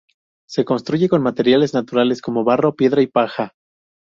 Se construye con materiales naturales como barro, piedra y paja.